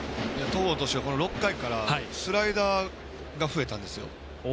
戸郷は、この６回からスライダーが増えたんですよ。